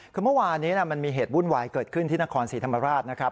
คือเมื่อวานนี้มันมีเหตุวุ่นวายเกิดขึ้นที่นครศรีธรรมราชนะครับ